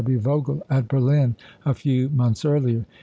W. Vogel at Berlin a few months earlier.